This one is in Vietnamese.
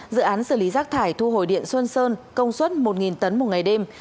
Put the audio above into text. dự án xử lý rác thải thu hồi điện xuân sơn công suất một tấn một ngày đêm